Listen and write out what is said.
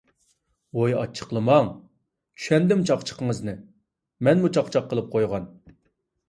ۋوي ئاچچىقلىماڭ. چۈشەندىم چاقچىقىڭىزنى، مەنمۇ چاقچاق قىلىپ قويغان.